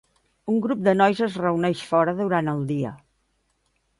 Un grup de nois es reuneix fora durant el dia.